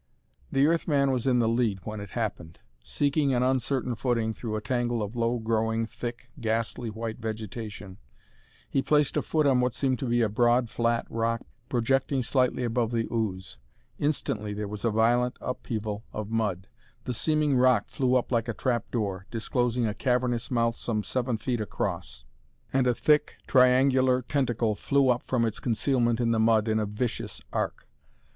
The Earth man was in the lead when it happened. Seeking an uncertain footing through a tangle of low growing, thick, ghastly white vegetation, he placed a foot on what seemed to be a broad, flat rock projecting slightly above the ooze. Instantly there was a violent upheaval of mud; the seeming rock flew up like a trap door, disclosing a cavernous mouth some seven feet across, and a thick, triangular tentacle flew up from its concealment in the mud in a vicious arc.